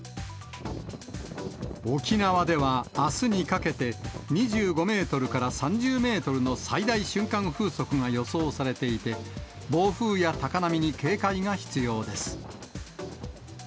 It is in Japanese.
沖縄ではあすにかけて、２５メートルから３０メートルの最大瞬間風速が予想されていて、暴風や高波に警戒が必要です。